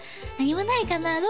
何もないかな？